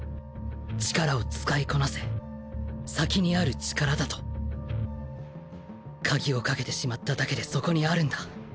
「力を使いこなせ」先に在る力だと鍵をかけてしまっただけでそこに在るんだ。